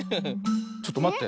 ちょっとまって。